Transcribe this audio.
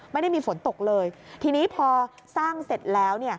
ไม่ได้มีฝนตกเลยทีนี้พอสร้างเสร็จแล้ว